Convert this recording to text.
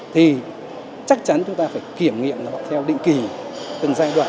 thì chắc chắn chúng ta phải kiểm nghiệm nó theo định kỳ từng giai đoạn